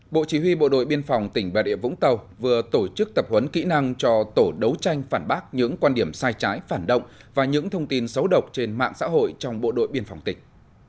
bộ chỉ huy bộ đội biên phòng tỉnh bà địa vũng tàu vừa tổ chức tập huấn kỹ năng cho tổ đấu tranh phản bác những quan điểm sai trái phản động và những thông tin xấu độc trên mạng xã hội trong bộ đội biên phòng tỉnh